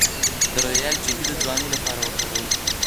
د رویال جیلی د ځوانۍ لپاره وکاروئ